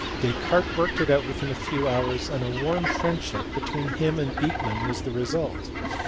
Descartes worked it out within a few hours, and a warm friendship between him and Beeckman was the result.